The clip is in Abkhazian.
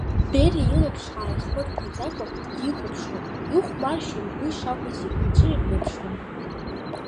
Бериа илаԥш ааихмырԥаӡакәа дихәаԥшуан, ихәмаршьа игәы ишахәоз ихы-иҿы ианыԥшуан.